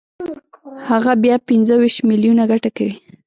هغه بیا پنځه ویشت میلیونه ګټه کوي